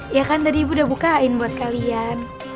ya kan tadi ibu udah bukain buat kalian